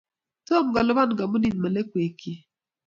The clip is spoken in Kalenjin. Tom kolipan kampunit melekwekchi